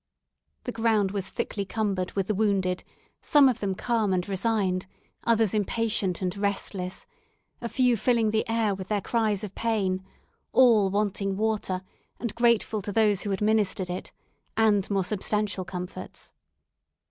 The ground was thickly cumbered with the wounded, some of them calm and resigned, others impatient and restless, a few filling the air with their cries of pain all wanting water, and grateful to those who administered it, and more substantial comforts.